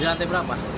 di lantai berapa